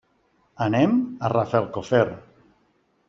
Anem a Rafelcofer.